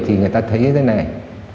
thì người ta thấy thế này